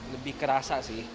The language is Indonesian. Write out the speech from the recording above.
lebih kerasa sih